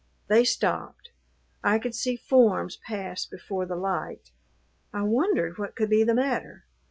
They stopped. I could see forms pass before the light. I wondered what could be the matter.